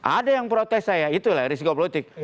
ada yang protes saya itulah risiko politik